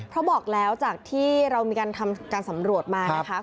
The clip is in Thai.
เพราะบอกแล้วจากที่เรามีการทำการสำรวจมานะคะ